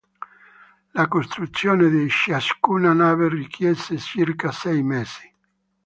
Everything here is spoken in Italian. La costruzione di ciascuna nave richiese circa sei mesi.